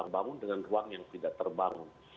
bangun dengan ruang yang tidak terbangun